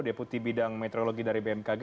deputi bidang meteorologi dari bmkg